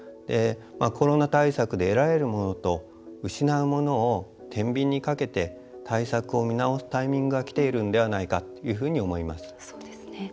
コロナ対策で得られるものと失うものをてんびんにかけて対策を見直すタイミングがきているのではないかというふうに思います。